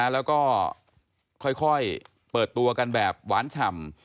แล้วก็ค่อยเปิดตัวกันแบบหวานฉ่ำ